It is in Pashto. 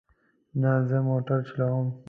نه، زه موټر چلوم